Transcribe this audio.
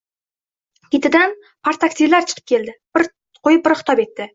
Ketidan partaktivlar chikib keldi. Biri qo‘yib, biri xitob etdi: